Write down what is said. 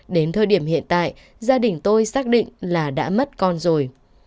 đến thời điểm hiện tại gia đình tôi xác định là đã mất con rồi